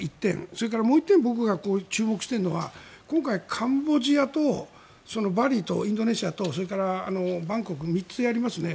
それからもう１点僕が注目しているのはカンボジアとバリとインドネシアとそれからバンコク３つやりますね